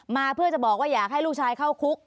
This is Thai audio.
มาเพื่อจะบอกว่าอยากให้ลูกชายเข้าคุก